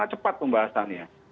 kita cepat pembahasannya